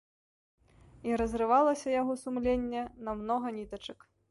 І разрывалася яго сумленне на многа нітачак.